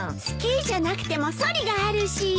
スキーじゃなくてもソリがあるし。